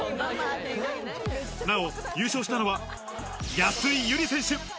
なお、優勝したのは安井友梨選手。